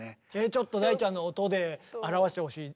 ちょっと大ちゃんの音で表してほしい。